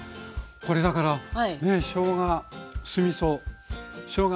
これだからしょうが酢みそしょうが